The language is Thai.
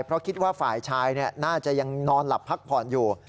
เพราะคิดว่าฝ่ายชายน่าจะยังนอนหลับพักผ่อนอยู่